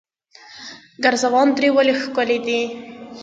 ګرزوان درې ولې ښکلې دي؟